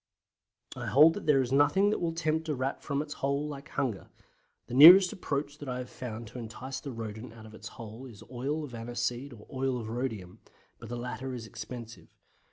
I hold that there is nothing that will tempt a Rat from its hole like hunger. The nearest approach that I have found to entice the Rodent out of its hole is oil of aniseed or oil of rhodium, but the latter is expensive.